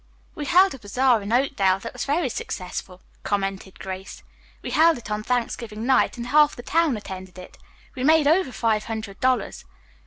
"We held a bazaar in Oakdale that was very successful," commented Grace. "We held it on Thanksgiving night and half the town attended it. We made over five hundred dollars.